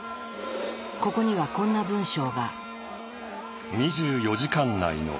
ここにはこんな文章が。